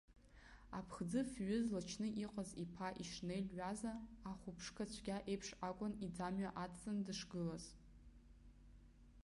Аԥхӡы фҩы злачны иҟаз иԥа ишьнел ҩаза, ахәыԥшқа-цәа еиԥш акәын иӡамҩа адҵан дышгылаз.